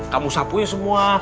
kamu sapuin semua